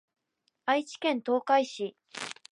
愛知県東海市